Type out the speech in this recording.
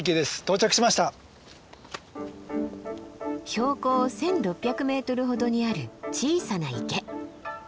標高１，６００ｍほどにある小さな池。